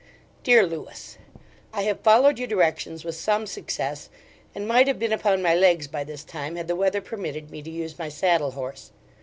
DEAR LEWIS, I have followed your directions with some success, and might have been upon my legs by this time, had the weather permitted me to use my saddle horse.